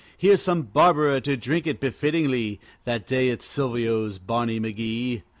Here's some Barbera to drink it befittingly, That day at Silvio's, Barney McGee!